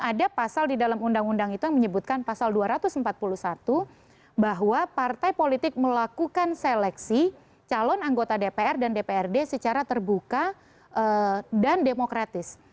ada pasal di dalam undang undang itu yang menyebutkan pasal dua ratus empat puluh satu bahwa partai politik melakukan seleksi calon anggota dpr dan dprd secara terbuka dan demokratis